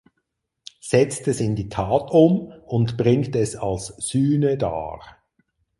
Setzt es in die Tat um und bringt es als Sühne dar.